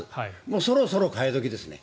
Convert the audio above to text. そろそろ変え時ですね。